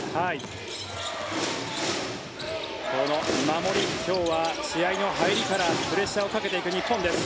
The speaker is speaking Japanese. この守り、今日は試合の入りからプレッシャーをかけていく日本です。